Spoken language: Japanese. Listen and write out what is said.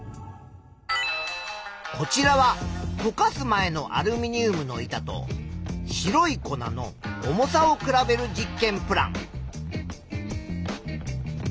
こちらはとかす前のアルミニウムの板と白い粉の重さを比べる実験プラン。